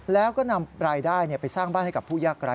แล้วก็นำรายได้ไปสร้างบ้านให้กับผู้ยากไร้